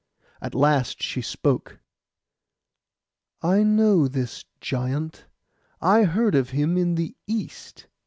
At last she spoke, 'I know this giant. I heard of him in the East.